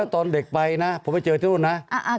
ตอนเด็กไปนะผมไปเจอที่นู่นนะ